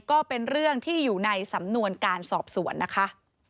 ก็เป็นเรื่องที่อยู่ในสำนวนการสอบสวนนะคะ